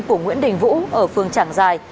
của nguyễn đình vũ ở phường trảng giài